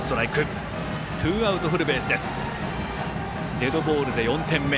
デッドボールで４点目。